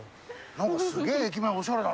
何かすげえ駅前おしゃれだな。